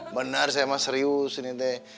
benar saya emang serius ini teh